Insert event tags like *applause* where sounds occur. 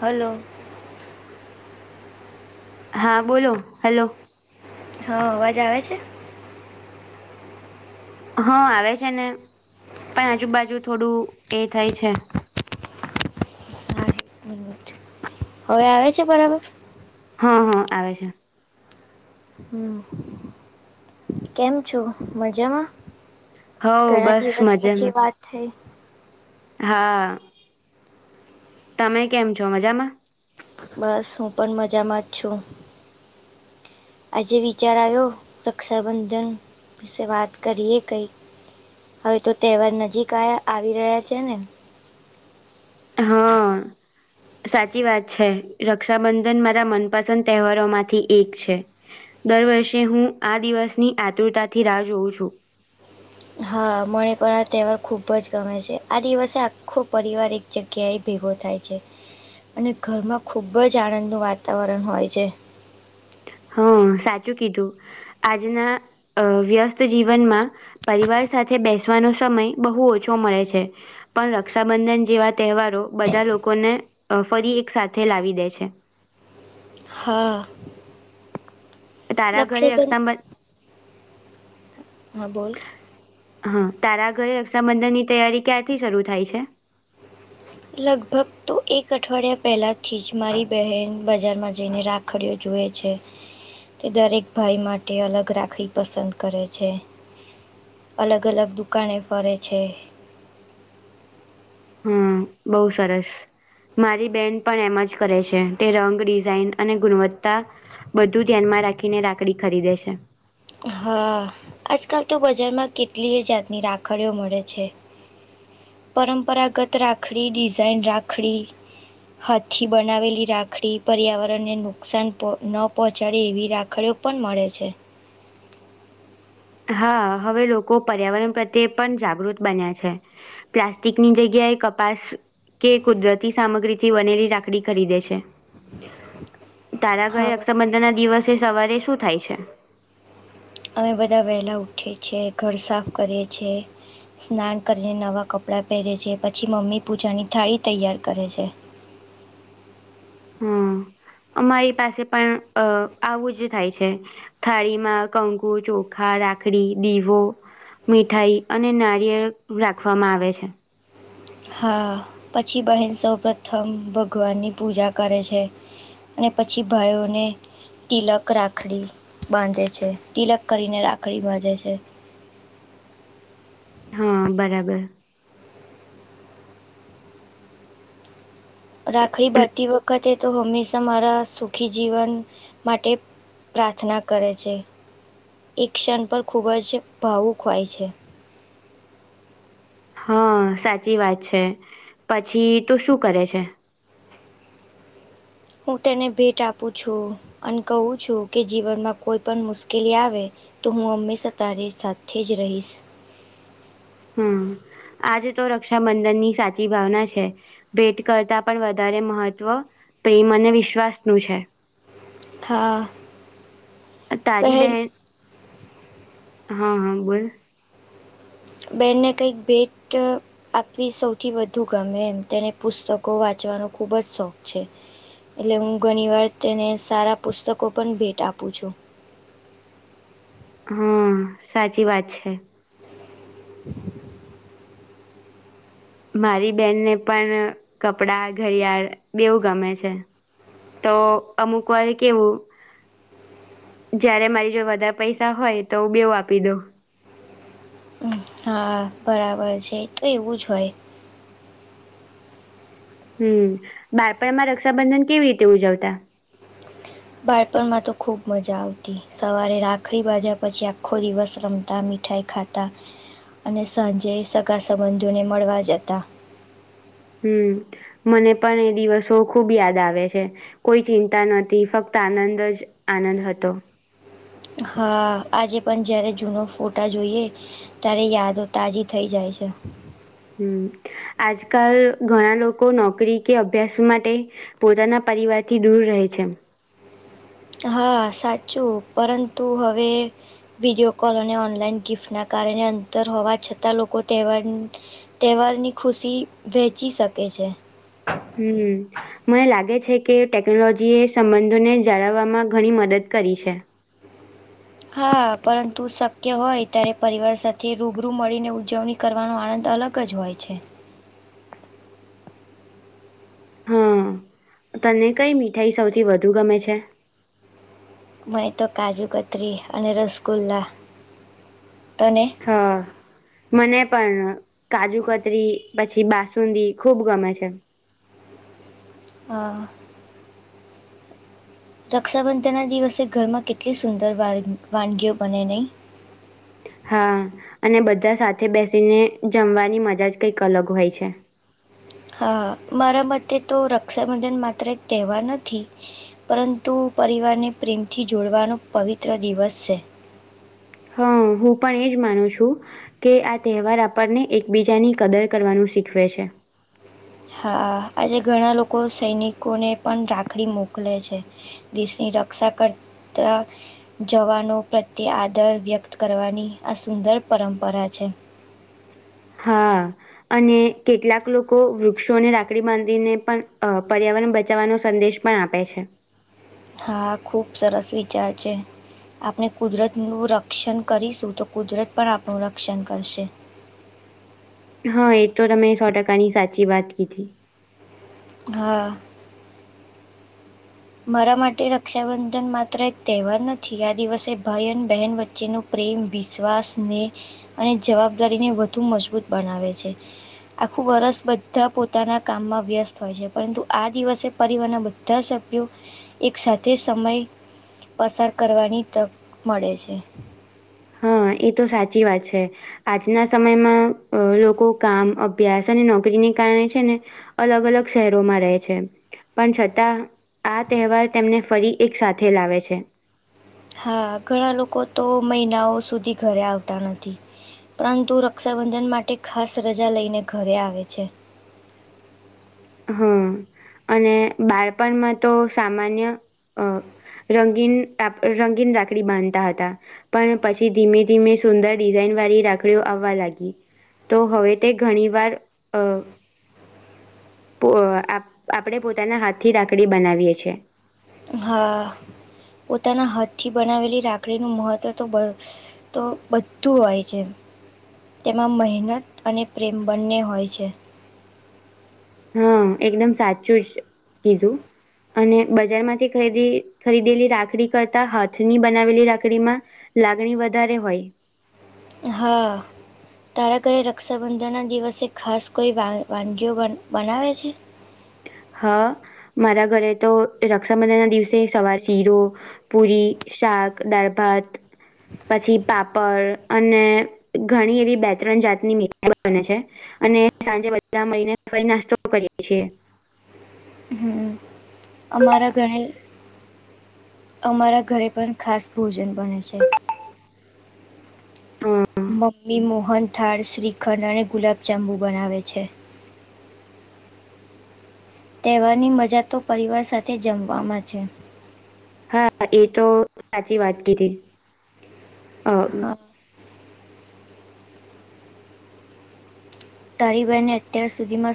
Hello હા બોલો hello હ અવાજ આવે છે હા આવે છે ને પણ આજુબાજુ થોડું એ થાય છે હા એક હવે આવે છે બરાબર હં હં આવે છે હમ કેમ છું મજામાં હો ઘણા બસ દિવસ પછી મજામાં વાત થઈ હા તમે કેમ છો મજામાં બસ હું પણ મજામાં જ છું આજે વિચાર આવ્યો રક્ષાબંધન પ વાત કરીએ કઈ હવે તો તહેવાર નજીક આવી રહ્યા છે ને હા સાચી વાત છે, રક્ષાબંધન મારા મનપસંદ તહેવારોમાંથી એક છે. દર વર્ષે હું આ દિવસની આતુરતાથી રાહ જોઉં છું. હા મને પણ આ તહેવાર ખૂબ જ ગમે છે, આ દિવસે આખો પરિવાર એક જગ્યાએ ભેગો થાય છે, અને ઘરમાં ખૂબ જ આનંદનું વાતાવરણ હોય છે. હું સાચું કીધું આજના વ્યસ્ત જીવનમાં પરિવાર સાથે બેસવાનો સમય બહુ ઓછો મળે છે, પણ રક્ષાબંધન જેવા તહેવારો બધા લોકોને ફરી એક સાથે લાવી દે છે, હા, તારા ઘરે રક્ષાબંધન, હા બોલ, હા તારા ઘરે રક્ષાબંધનની તૈયારી ક્યાંથી શરૂ થાય છે, લગભગ તો એક અઠવાડિયા પહેલાંથી જ મારી બહેન બજારમાં જઈને રાખડી, ખરીઓ જુએ છે. તે દરેક ભાઈ માટે અલગ રાખવી પસંદ કરે છે. અલગ અલગ દુકાને ફરે છે. હમ બહુ સરસ, મારી બેન પણ એમ જ કરે છે, તે રંગ ડિઝાઇન અને ગુણવત્તા બધું ધ્યાનમાં રાખીને રાખડી ખરીદે છે. હા આજકાલ તો બજારમાં કેટલી જાતની રાખડીઓ મળે છે, પરંપરાગત રાખડી ડિઝાઇન રાખડી હાથી બનાવેલી રાખડી પર્યાવરણને નુકસાન ન પહોંચાડે એવી રાખડીઓ પણ મળે છે, હા હવે લોકો પર્યાવરણ પ્રત્યે પણ જાગૃત બન્યા છે, પ્લાસ્ટિકની જગ્યાએ કપાસ કે કુદરતી સામગ્રી થી બનેલી રાખડી ખરીદે છે, તારા ઘરે હા રક્ષાબંધન ના દિવસે સવારે શું થાય છે, અમે બધા વહેલા ઉઠીએ છીએ, ઘર સાફ કરીએ છીએ, સ્નાન કરીને નવાં કપડાં પહેરે છે, પછી મમ્મી પૂજાની થાળી તૈયાર કરે છે. હુ અમારી પાસે પણ અ આવું જ થાય છે. થાળીમાં કંકુ ચોખા રાખડી દીવો, મીઠાઈ અને નારિયેળ રાખવામાં આવે છે. હા પછી બહેન સૌ પ્રથમ ભગવાન ની પૂજા કરે છે, અને પછી ભાઈઓને, તિલક રાખડી બાંધે છે, તિલક કરીને રાખડી બાંધે છે. હા બરાબર, રાખડી બધી વખતે, તો હંમેશા મારા સુખી જીવન માટે પ્રાર્થના કરે છે, એ ક્ષણ પર ખૂબ જ ભાવુક હોય છે, હા સાચી વાત છે, પછી તો શું કરે છે. હું તેને ભેટ આપું છું, અને કહું છું, કે જીવનમાં કોઈ પણ મુશ્કેલી આવે. તો હું હંમેશા તારી સાથે જ રહીશ. હુ આજે તો રક્ષાબંધન ની સાચી ભાવના છે. ભેટ કરતા પણ વધારે મહત્વ પ્રેમ અને વિશ્વાસનું છે. હા તારી બહેન, હા, હા બોલને. બેહેનને કંઈક ભેટ આપવી સૌથી વધુ ગમે એમ તેને પુસ્તકો વાંચવાનો ખુબ જ શોખ છે, એટલે હું ઘણીવાર તેને સારા પુસ્તકો પણ ભેટ આપું છું, હા, સાચી વાત છે. *unintelligible* મારી બેનને પણ કપડાં ઘડિયાળ બેવું ગમે છે તો અમુક વાર કેવું જયારે મારી જો વધારે પૈસા હોય તો બેવું આપી દો મ હા બરાબર છે તો એવું જ હોય હમ બાળપણમાં રક્ષાબંધન કેવી રીતે ઉજવતા બાળપણમાં તો ખુબ મજા આવતી. સવારે રાખડી બાંધ્યા પછી આખો દિવસ રમતા મીઠાઈ ખાતા અને સાંજે સગા-સંબંધીઓને મળવા જતા. હમ, મને પણ એ દિવસો ખુબ યાદ આવે છે. કોઈ ચિંતા નથી, ફક્ત આનંદ જ આનંદ હતો. હા, આજે પણ જ્યારે જૂનો ફોટા જોઈએ ત્યારે યાદો તાજી થઇ જાય છે. હમ, આજકાલ ઘણા લોકો નોકરી કે અભ્યાસ માટે પોતાના પરિવારથી દૂર રહે છે. હા, સાચું. પરંતુ હવે વિડીયો કોલ અને ઓનલાઈન ગિફ્ટના કારણે અંતર હોવા છતાં લોકો તેહેવાર તહેવાર ની ખુશી વહેચી શકે છે. હમ. મને લાગે છે કે ટેકનોલોજી એ સંબંધોને જાળવવામાં ઘણી મદદ કરી છે. હા, પરંતુ શક્ય હોય ત્યારે પરિવાર સાથે રૂબરૂ મળીને ઉજવણી કરવાનો આનંદ અલગ જ હોય છે. હા, તને કઈ મીઠાઈ સૌથી વધુ ગમે છે? મને તો કાજુ-કતરી અને રસગુલ્લા તને? હા. મને પણ કાજુ-કતરી પછી બાસુંદી ખુબ ગમે છે. હા. રક્ષાબંધન ના દિવસે ઘરમાં કેટલી સુંદર વાનગીઓ બને. હા, અને બધા સાથે બેસીને જમવાની મજા જ કંઈક અલગ હોય છે. હા, મારા મતે તો રક્ષાબંધન માત્ર એક તહેવાર નથી. પરંતુ પરિવારને પ્રેમથી જોડવાનો પવિત્ર દિવસ છે. હા, હું પણ એજ માનું છું. કે આ તહેવાર આપણને એકબીજાની કદર કરવાનું શીખવે છે. હા, આજે ઘણા લોકો સૈનિકોને પણ રાખડી મોકલે છે. દેશની રક્ષા કરતા. જવાનો પ્રત્યે આદર વ્યક્ત કરવાની આ સુંદર પરંપરા છે. હા. અને કેટલાક લોકો વૃક્ષોને રાકડી બાંધીને પણ પર્યાવરણ બચાવવાનો સંદેશ પણ આપે છે. હા, ખુબ સરસ વિચાર છે. આપણે કુદરતનું રક્ષણ કરીશું, તો કુદરત પણ આપણું રક્ષણ કરશે. હા, એ તો તમે સો ટકાની સાચી વાત કીધી. હા. મારા માટે રક્ષાબંધન માત્ર એક તહેવાર નથી, આ દિવસે ભાઈ અને બહેન વચ્ચેનું પ્રેમ, વિશ્વાસ અને જવાબદારીને વધુ મજબૂત બનાવે છે. આખું વર્ષ બધા પોતાના કામમાં વ્યસ્ત હોય છે, પરંતુ આ દિવસે પરિવારના બધા સભ્યો એક સાથે સમય પસાર કરવાની તક મળે છે. હા, એ તો સાચી વાત છે. આજના સમયમાં લોકો કામ, અભ્યાસ અને નોકરીને કારણે છે ને. અલગ-અલગ શહેરોમાં રહે છે. પણ છતાં આ તહેવાર તેમને ફરી એક સાથે લાવે છે હા ઘણા લોકો તો મહિનાઓ સુધી ઘરે આવતા નથી પરંતુ રક્ષાબંધન માટે ખાસ રજા લઈને ઘરે આવે છે. હમ, અને બાળપણમાં તો સામાન્ય રંગીન રંગીન રાખડી બાંધતા હતા‌. પણ પછી ધીમે ધીમે સુંદર ડિઝાઇન વાળી રાખડીઓ આવવા લાગી. તો હવે તે ઘણી વાર આપ આપણે પોતાના હાથથી રાકડી બનાવીએ છીએ હા પોતાના હથથી બનાવેલી રાખડીનું મહત્ત્વ તો બ તો બધું હોય છે તેમાં મહેનત અને પ્રેમ બંને હોય છે હા એકદમ સાચું જ કીધું અને બજાર માંથી ખરીદી ખરીદેલી રાખડી કરતા હાથની બનાવેલી રાખડી માં લાગણી વધારે હોય હા તારા ઘરે રક્ષાબંધનના દિવસે ખાસ કોઈ વા વાનગીઓ બ બનાવે છે હા મારા ઘરે તો રક્ષાબંધન ના દિવસે સવાર શીરો પુરી શાક દાળ ભાત પછી પાપડ અને ઘણી એવી બે ત્રણ જાતની મઠ બને છે અને સાંજે બધા મળીને ફરી નાસ્તો કરીએે છીએ હમ અમારા ઘણી અમારા ઘરે પણ ખાસ ભોજન બને છે અ મમ્મી મોહન થાળ શ્રીખંડ અને ગુલાબજાંબુ બનાવે છે તહેવાર ની મજા તો પરિવાર સાથે જમવાવામાં છે હા એ તો સાચી વાત કધી હા તાલિબાાનને અત્યાર સુધીમાં